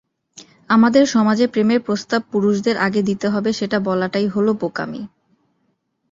আমাদের সমাজে প্রেমের প্রস্তাব পুরুষদের আগে দিতে হবে, সেটা বলাটাই হলো বোকামি।